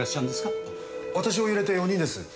私を入れて４人です。